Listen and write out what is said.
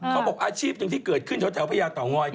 เขาบอกอาชีพหนึ่งที่เกิดขึ้นช้าวแถวพระยาเต๋าง้อย